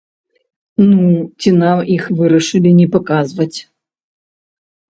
Ну, ці нам іх вырашылі не паказваць.